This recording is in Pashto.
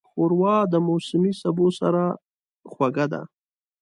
ښوروا د موسمي سبو سره خوږه ده.